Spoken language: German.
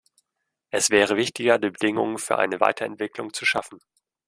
Es wäre wichtiger, die Bedingungen für eine Weiterentwicklung zu schaffen.